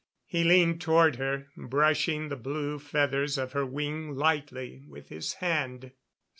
He leaned toward her, brushing the blue feathers of her wing lightly with his hand.